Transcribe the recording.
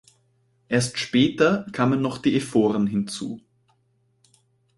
Erst später kamen noch die Ephoren hinzu.